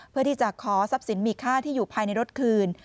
เพื่อที่จะขอทรัพย์สินมีค่าที่อยู่ภายในรถคืน